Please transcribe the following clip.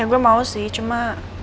gue mau sih cuma